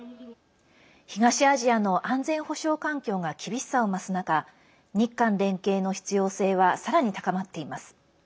東アジアの安全保障環境が厳しさを増す中日韓連携の必要性はさらに高まっています。